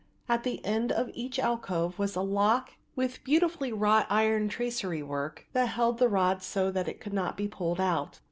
At the end of each alcove was a lock with beautifully wrought iron tracery work that held the rod so that it could not be pulled out.